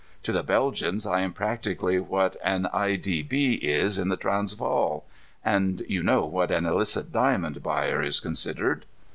To the Belgians I am practically what an I. D. B. is in the Transvaal. And you know what an illicit diamond buyer is considered."